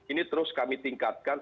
ini terus kami tingkatkan